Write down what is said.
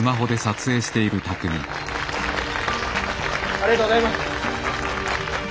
ありがとうございます。